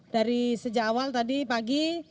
dari sejak awal tadi pagi